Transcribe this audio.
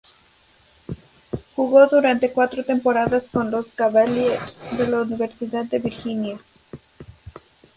Jugó durante cuatro temporadas con los "Cavaliers" de la Universidad de Virginia.